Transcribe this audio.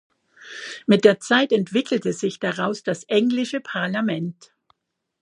Mit der Zeit entwickelte sich daraus das englische Parlament.